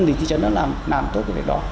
thì thị trấn đã làm tốt cái việc đó